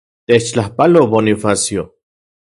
Techtlajpalo, Bonifacio.